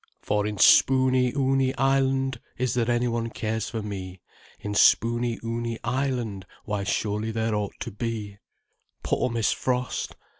"For in Spooney ooney Island Is there any one cares for me? In Spooney ooney Island Why surely there ought to be—" Poor Miss Frost!